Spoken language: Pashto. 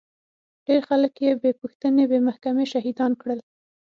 ډېر خلک يې بې پوښتنې بې محکمې شهيدان کړل.